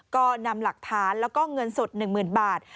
ก็นำหลักฐานแล้วก็เงินสด๑๐๐๐บาท